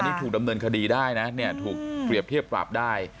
นี่ถูกดำเนินคดีได้นะเนี่ยถูกเปรียบเทียบปรับได้